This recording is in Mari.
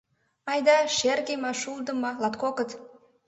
— Айда, шерге ма, шулдо ма, латкокыт.